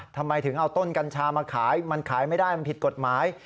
ทำไมถึงเอาต้นกัญชามาขายมันขายไม่ได้มันผิดกฎหมาย